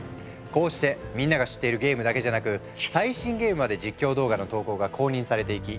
こうしてみんなが知っているゲームだけじゃなく最新ゲームまで実況動画の投稿が公認されていき